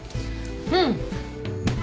うん。